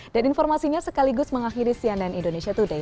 dan informasinya sekaligus mengakhiri cnn indonesia today